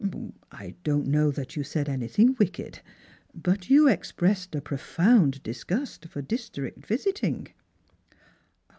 "1 don't know that you said anything wicked; but you ex pressed a profound disgust for district visiting."